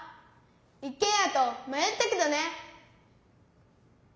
一けん家とまよったけどね。